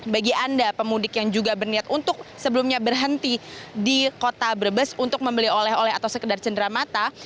bagi anda pemudik yang juga berniat untuk sebelumnya berhenti di kota brebes untuk membeli oleh oleh atau sekedar cendera mata